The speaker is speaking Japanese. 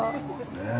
ねえ。